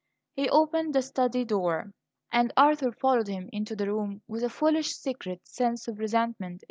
He opened the study door, and Arthur followed him into the room with a foolish, secret sense of resentment.